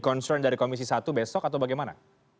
concern dari komisi satu besok atau bagaimana